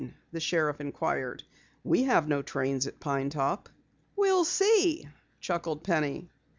the sheriff inquired. "We have no trains at Pine Top." "We'll see," chuckled Penny.